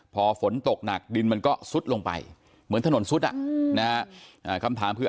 พอฝนตกหนักดินมันก็ซุดลงไปเหมือนถนนซุดอ่ะนะฮะคำถามคือ